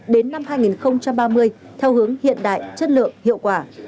đến năm hai nghìn ba mươi theo hướng hiện đại chất lượng hiệu quả